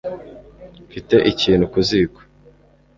Mfite ikintu ku ziko